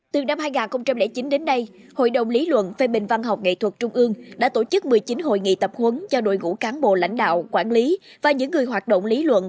từ năm hai nghìn chín đến nay hội đồng lý luận phê bình văn học nghệ thuật trung ương đã tổ chức một mươi chín hội nghị tập huấn cho đội ngũ cán bộ lãnh đạo quản lý và những người hoạt động lý luận